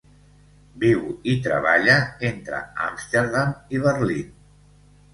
Viu i treballa entre Amsterdam i Berlín.